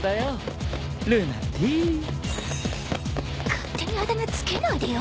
勝手にあだ名つけないでよ。